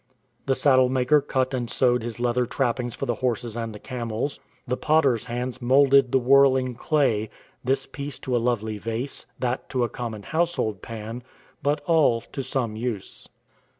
The saddle maker cut and sewed his leather trappings for the horses and the camels. The potter's hands moulded the whirling clay — this piece to a lovely vase, that to a common household pan — but all to some use.